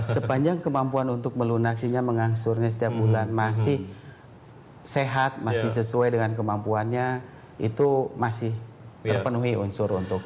sepanjang kemampuan untuk melunasinya mengangsurnya setiap bulan masih sehat masih sesuai dengan kemampuannya itu masih terpenuhi unsur untuk